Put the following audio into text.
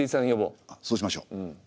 そうしましょう。